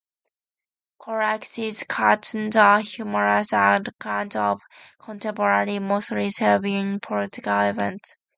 Corax's cartoons are humorous accounts of contemporary, mostly Serbian, political events.